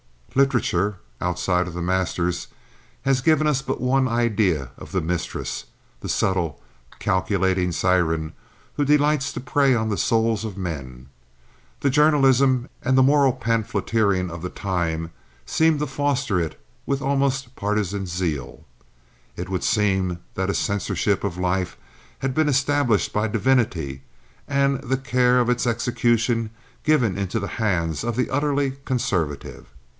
Literature, outside of the masters, has given us but one idea of the mistress, the subtle, calculating siren who delights to prey on the souls of men. The journalism and the moral pamphleteering of the time seem to foster it with almost partisan zeal. It would seem that a censorship of life had been established by divinity, and the care of its execution given into the hands of the utterly conservative.